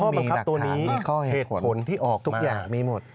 บังคับตัวนี้เหตุผลที่ออกทุกอย่างมีหมด